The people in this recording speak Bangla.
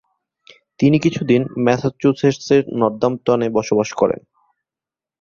তিনি কিছুদিন ম্যাসাচুসেটসের নর্দাম্পটনে বসবাস করেন।